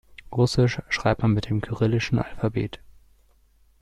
Russisch schreibt man mit dem kyrillischen Alphabet.